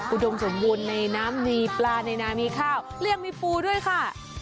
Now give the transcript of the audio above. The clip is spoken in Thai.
อุดมสมบูรณ์ในน้ำมีปลาในนามีข้าวเลี่ยงมีปูด้วยค่ะ